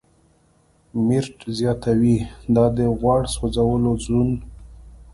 میرټ زیاتوي، دا د "غوړ سوځولو زون